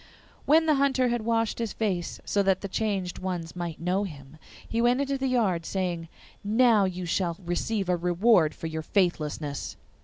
When the Hunter had washed his face, so that the changed ones might know him, he went into the yard, saying, 'Now you shall receive a reward for your faithlessness.